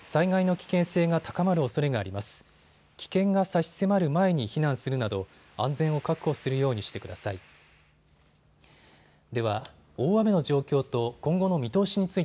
危険が差し迫る前に避難するなど安全を確保するようにしてください。